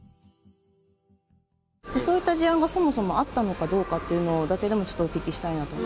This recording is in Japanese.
そういった事案はそもそもあったのかどうかっていうのだけでもちょっとお聞きしたいなと。